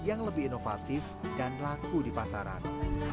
yang lebih inovatif dan laku di pasaran